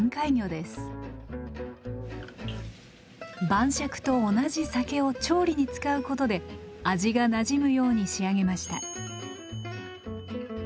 晩酌と同じ酒を調理に使うことで味がなじむように仕上げました。